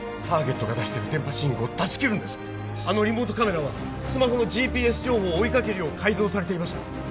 ターゲットが出している電波信号を断ち切るんですあのリモートカメラはスマホのＧＰＳ情報を追いかけるよう改造されていました